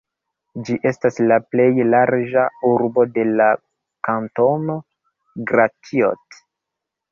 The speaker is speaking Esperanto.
Ĝi estas la plej larĝa urbo de la kantono Gratiot.